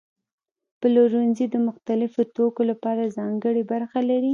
پلورنځي د مختلفو توکو لپاره ځانګړي برخې لري.